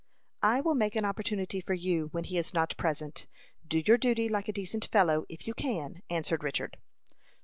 "I will make an opportunity for you when he is not present. Do your duty like a decent fellow, if you can," answered Richard.